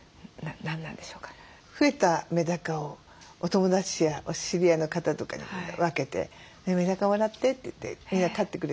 増えたメダカをお友達やお知り合いの方とかに分けて「メダカもらって」って言ってみんな飼ってくれて。